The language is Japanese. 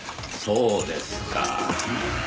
そうですか。